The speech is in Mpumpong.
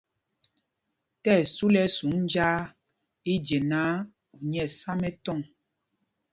Tí ɛsu lɛ́ ɛsum njāā i je náǎ, u nyɛ̄ɛ̄ sá mɛtɔŋ.